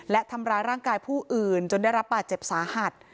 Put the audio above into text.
และทำร้ายร่างกายผู้อื่นจนได้รับบาดเจ็บสาหัส